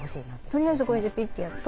とりあえずこれでピッとやって。